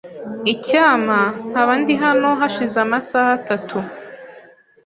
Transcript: Icyampa nkaba ndi hano hashize amasaha atatu .